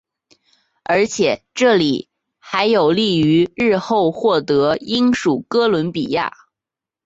而且这还有利于日后获取英属哥伦比亚。